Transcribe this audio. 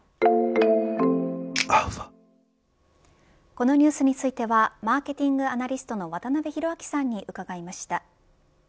このニュースについてはマーケティングアナリストの渡辺広明さんに伺いました。